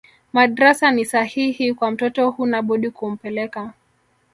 madrasa ni sahihi kwa mtoto hunabudi kumpeleka